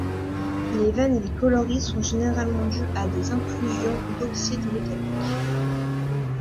Les veines et les coloris sont généralement dus à des inclusions d'oxydes métalliques.